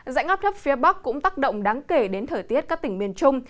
dãy ngắp thấp phía bắc cũng tác động đáng kể đến thời tiết các tỉnh miền trung